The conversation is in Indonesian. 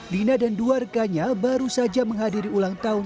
lina dan dua rekannya baru saja menghadiri ulang tahun